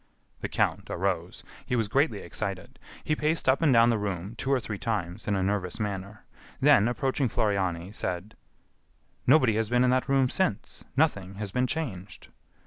The count arose. He was greatly excited. He paced up and down the room, two or three times, in a nervous manner; then, approaching Floriani, said: "Nobody has been in that room since; nothing has been changed."